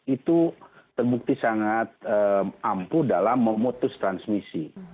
itu terbukti sangat ampuh dalam memutus transmisi